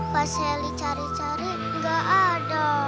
pas sally cari cari gak ada